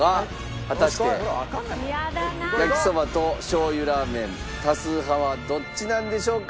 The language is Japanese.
果たして焼きそばとしょう油ラーメン多数派はどっちなんでしょうか？